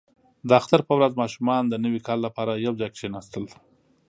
• د اختر په ورځ ماشومان د نوي کال لپاره یو ځای کښېناستل.